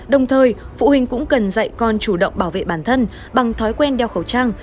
đồng thời phụ huynh cũng cần dạy con chủ động bảo vệ bản thân bằng thói quen đeo khẩu trang